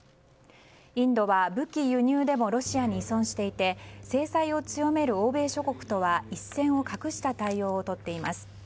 インドは武器輸入でもロシアに依存していて制裁を強める欧米諸国とは一線を画した対応をとっています。